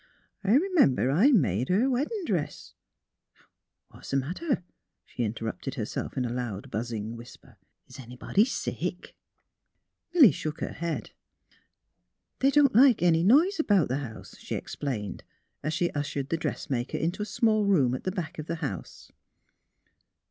I r 'member I made her weddin' dress. ... What's the matter? " she interrupted herself in a loud buzzing whisper. '' Anybody sick? " Milly shook her head. '^ They don't like any noise about the house,'* she explained, as she ushered the dressmaker into a small room at the back of the house.